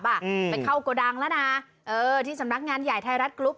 ไปเข้าโกดังแล้วนะเออที่สำนักงานใหญ่ไทยรัฐกรุ๊ป